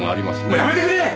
もうやめてくれ！